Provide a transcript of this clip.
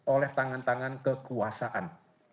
oleh tangan tangan kekuasaan